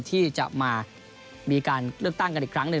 ที่จะมามีการเลือกตั้งกันอีกครั้งหนึ่ง